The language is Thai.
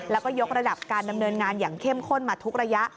แล้วก็ยกระดับการดำเนินงานอย่างเข้มข้นมาทุกระยะ